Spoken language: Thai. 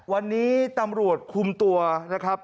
วันนี้ตำรวจคุมตัวนะครับ